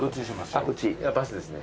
あっバスですね。